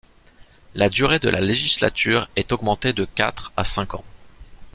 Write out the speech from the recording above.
La durée de la législature est augmentée de quatre à cinq ans.